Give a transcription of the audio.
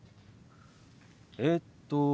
えっと。